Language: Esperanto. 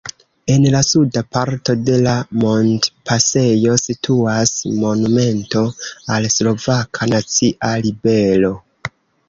En la suda parto de la montpasejo situas monumento al Slovaka nacia ribelo.